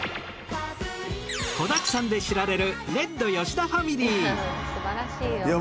子だくさんで知られるレッド吉田ファミリー。